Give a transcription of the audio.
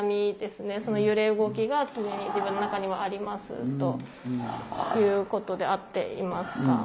その揺れ動きが常に自分の中にはありますということで合っていますか？